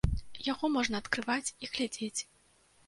Яго можна адкрываць і глядзець.